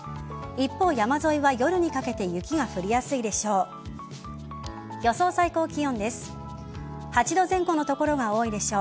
一方、山沿いは夜にかけて雪が降りやすいでしょう。